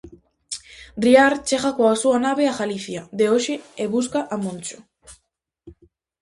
Dríar chega coa súa nave á Galicia de hoxe e busca a Moncho.